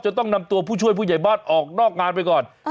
ต้องนำตัวผู้ช่วยผู้ใหญ่บ้านออกนอกงานไปก่อน